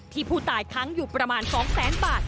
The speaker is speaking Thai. ที่ผู้ตายค้างอยู่ประมาณ๒แสนบาท